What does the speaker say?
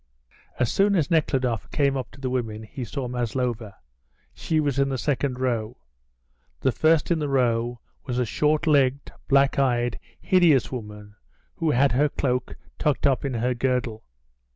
As soon as Nekhludoff came up to the women he saw Maslova; she was in the second row. The first in the row was a short legged, black eyed, hideous woman, who had her cloak tucked up in her girdle.